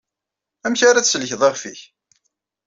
Amek ara tsellkeḍ iɣef-nnek?